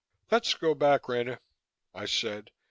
"Let's go back, Rena," I said.